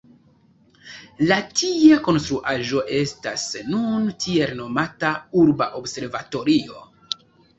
La tiea konstruaĵo estas nun tiel nomata Urba Observatorio.